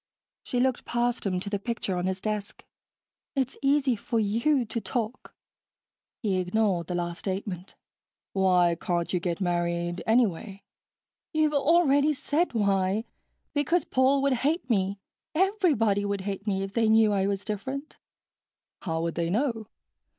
She looked past him to the picture on his desk. "It's easy for you to talk." He ignored the last statement. "Why can't you get married, anyway?" "You've already said why. Because Paul would hate me everybody would hate me if they knew I was different." "How would they know?